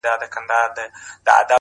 خود به يې اغزی پرهر، پرهر جوړ کړي,